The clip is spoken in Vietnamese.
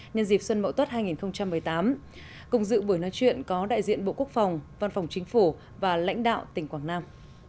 nhân dịp xuân mậu tuất hai nghìn một mươi tám cùng dự buổi nói chuyện có đại diện bộ quốc phòng văn phòng chính phủ và lãnh đạo tỉnh quảng nam